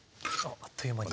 あっという間に。